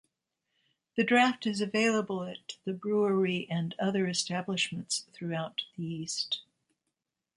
The draught is available at the brewery and other establishments throughout the East.